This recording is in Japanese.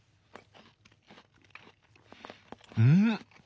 うん！